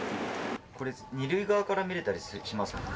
これ、２塁側から見れたりしますか？